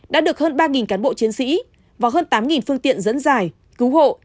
đã được hơn ba cán bộ chiến sĩ và hơn tám phương tiện dẫn giải cứu hộ